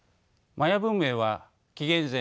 マヤ文明は紀元前